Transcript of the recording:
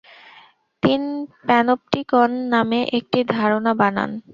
তিনি 'প্যানোপটিকন' নামে একটি ধারণা বানান।